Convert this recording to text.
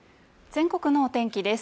全国のお天気です。